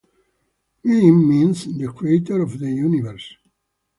'Mayin' means - the Creator of the Universe.